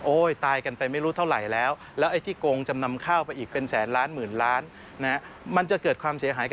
โอ๊ยตายกันไปไม่รู้เท่าไหร่แล้ว